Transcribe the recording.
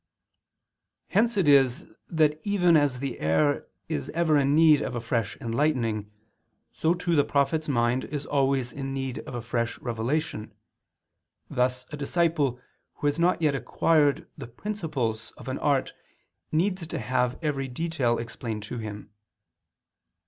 Hence it is that even as the air is ever in need of a fresh enlightening, so too the prophet's mind is always in need of a fresh revelation; thus a disciple who has not yet acquired the principles of an art needs to have every detail explained to him.